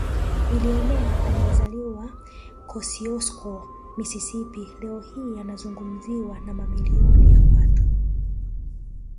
Bilionea aliyezaliwa Kosiosko Mississippi leo hii anazungumziwa na mamilioni ya watu